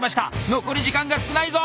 残り時間が少ないぞ！